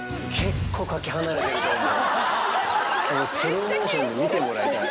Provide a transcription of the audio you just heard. スローモーションで見てもらいたい。